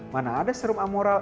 mana ada serum amoral